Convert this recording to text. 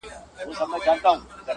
• ما یې د جلال او د جمال نښي لیدلي دي,